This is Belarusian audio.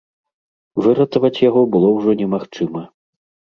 Выратаваць яго было ўжо немагчыма.